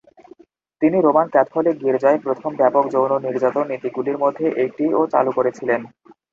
তিনি Roman Catholic গির্জায় প্রথম ব্যাপক যৌন নির্যাতন নীতিগুলির মধ্যে একটি ও চালু করেছিলেন।